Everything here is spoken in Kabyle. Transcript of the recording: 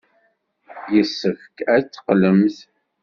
Yessefk ad teqqlemt.